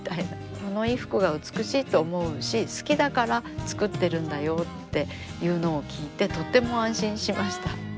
「この衣服が美しいって思うし好きだから作ってるんだよ」っていうのを聞いてとっても安心しました。